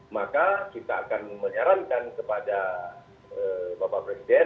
maka kita akan menyarankan kepada bapak presiden